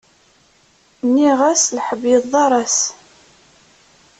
Nniɣ-as lḥeb yeḍar-as.